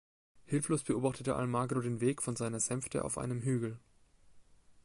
Hilflos beobachtete Almagro den Weg von seiner Sänfte auf einem Hügel.